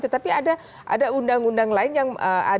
tetapi ada ada undang undang lain yang ada pasangan